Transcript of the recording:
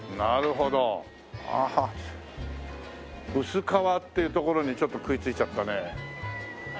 薄皮っていうところにちょっと食い付いちゃったね。